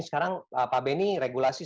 sekarang pak benny regulasi